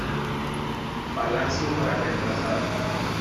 Palacio para reemplazarlo.